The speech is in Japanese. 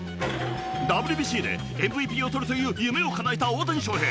ＷＢＣでＭＶＰを取るという夢をかなえた大谷翔平。